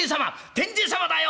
天神様だよ